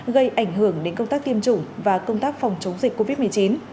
gây ảnh hưởng đến công tác tiêm chủng và công tác phòng chống dịch covid một mươi chín